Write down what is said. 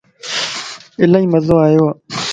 الائي مزو آيوو